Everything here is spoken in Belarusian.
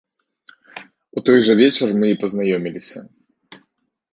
У той жа вечар мы і пазнаёміліся.